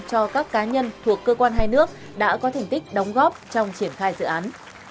cho các cá nhân thuộc cơ quan hai nước đã có thành tích đóng góp trong triển khai dự án